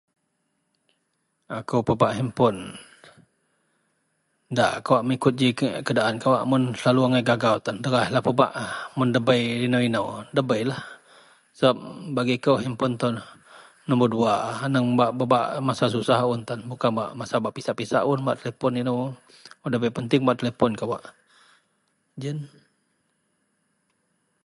Akou pebak henpon nda kawak, mengikut ji keadaan kawak. Mun selalu angai gagau tan, deraihlah pebak a. Mun ndabei inou-inou, ndabeilah sebab bagi kou henpon itou bagi koulah nombor duwa saji bak-bak masa susah un. Bukan masa pisak-pisak un henpon wak ndabei penting telepon kawak. Jiyen.